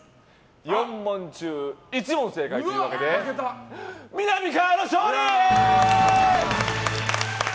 ４問中１問正解というわけでみなみかわの勝利！